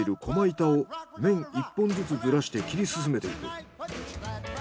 板を麺１本ずつずらして切り進めていく。